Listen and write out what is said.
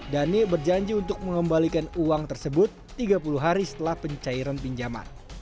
dhani berjanji untuk mengembalikan uang tersebut tiga puluh hari setelah pencairan pinjaman